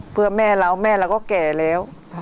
เพื่อแม่เราแม่เราก็แก่แล้ว